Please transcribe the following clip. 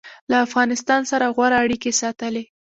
له افغانستان سره غوره اړیکې ساتلي